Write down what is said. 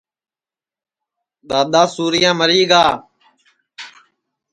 دؔادؔا سُورِیا مری گا